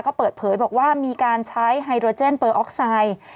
ก็เปิดเผยบอกว่ามีการใช้ไฮโดรเจนเปอร์ออกไซด์